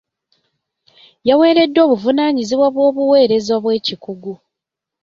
Yaweereddwa obuvunaanyizibwa bw'obuweereza bw'ekikugu.